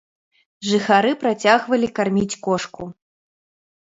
Жыхары працягвалі карміць кошку.